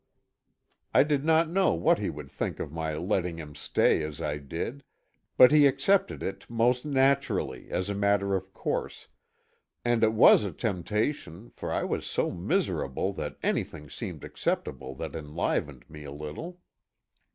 I did not know what he would think of my letting him stay as I did, but he accepted it most naturally, as a matter of course and it was a temptation, for I was so miserable that anything seemed acceptable that enlivened me a little.